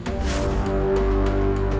kita harus berhenti